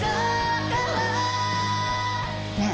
ねえ。